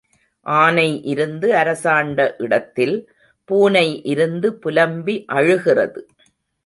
ஆனை இருந்து அரசாண்ட இடத்தில் பூனை இருந்து புலம்பி அழுகிறது.